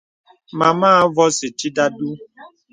Màma à avɔ̄sì tit a du.